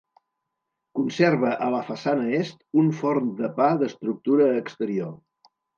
Conserva, a la façana est, un forn de pa d'estructura exterior.